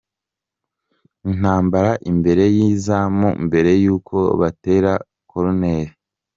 Intambara imbere y'izamu mbere yuko batera koruneri.